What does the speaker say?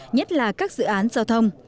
nhất là các dự án giao thông